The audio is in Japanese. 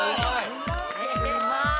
うまい！